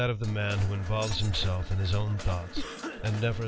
of the mnn who himsel f in his own thoughts, and. never